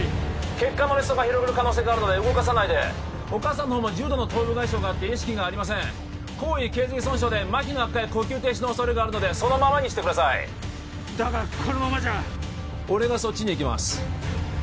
血管の裂創が広がる可能性があるので動かさないでお母さんの方も重度の頭部外傷があって意識がありません高位頸髄損傷で麻痺の悪化や呼吸停止の恐れがあるのでそのままにしてくださいだがこのままじゃ俺がそっちに行きます